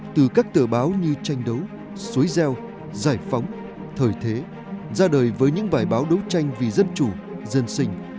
từ các tờ báo như tranh đấu xối gieo giải phóng thời thế ra đời với những bài báo đấu tranh vì dân chủ dân sinh